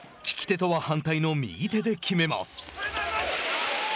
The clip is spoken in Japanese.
利き手とは反対の右手で決めます。